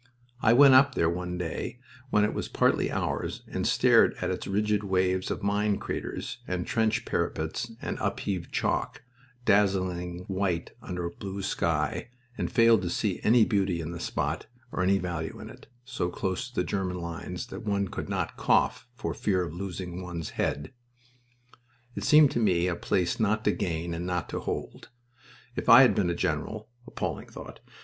I went up there one day when it was partly ours and stared at its rigid waves of mine craters and trench parapets and upheaved chalk, dazzling white under a blue sky, and failed to see any beauty in the spot, or any value in it so close to the German lines that one could not cough for fear of losing one's head. It seemed to me a place not to gain and not to hold. If I had been a general (appalling thought!)